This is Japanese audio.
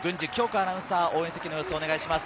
アナウンサー、応援席の様子をお願いします。